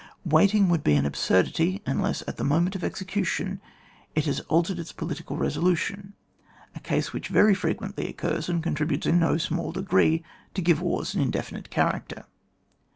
Waiting would be an absurdity; unless at the moment of execution it has altered its political resolution, a case which very frequently occurs, and contributes in no smaU degree to give wars an indefinite character.